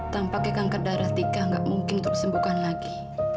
tanpa kekanker darah tika nggak mungkin tersembuhkan lagi